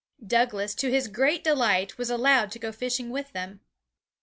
Douglas, to his great delight, was allowed to go fishing with them.